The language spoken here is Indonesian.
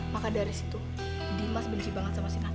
maka dari situ dimas benci banget sama si kami